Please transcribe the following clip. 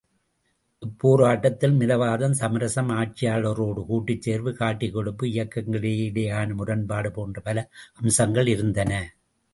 இப்போராட்டத்தில் மிதவாதம், சமரசம், ஆட்சியாளரோடு கூட்டுச்சேர்வு, காட்டிக் கொடுப்பு, இயக்கங்களிடையேயான முரண்பாடு போன்ற பல அம்சங்கள் இருந்தன.